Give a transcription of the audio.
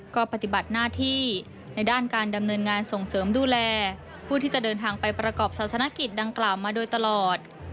ก็ปฏิบัติหน้าที่ในด้านการดำเนินงานส่งเสริมดูแลผู้ที่จะเดินทางไปประกอบศาสนกิจดังกล่าวมาโดยตลอด